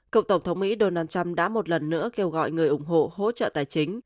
cựu tổng thống mỹ donald trump đã một lần nữa kêu gọi người ủng hộ hỗ trợ tài chính